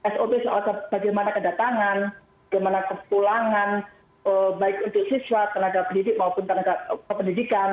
sop soal bagaimana kedatangan bagaimana kepulangan baik untuk siswa tenaga pendidik maupun tenaga pendidikan